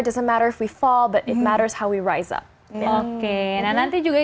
tidak masalah jika kita jatuh tapi penting bagaimana kita naik ke atas